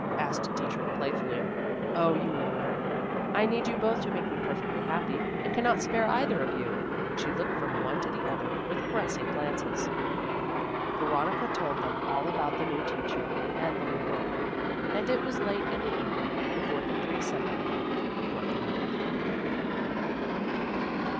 asked Dietrich playfully. "Oh, you know what I mean. I need you both to make me perfectly happy, and cannot spare either of you;" and she looked from one to the other with caressing glances. Veronica told them all about the new teacher and the new work, and it was late in the evening before the three separated for the night.